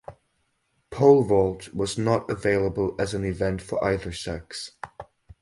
Pole vault was not available as an event for either sex.